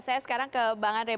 saya sekarang ke bang andre